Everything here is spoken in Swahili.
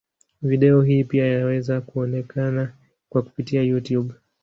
Video hii pia yaweza kuonekana kwa kupitia Youtube.